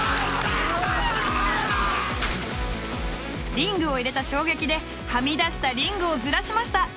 リングを入れた衝撃ではみ出したリングをずらしました。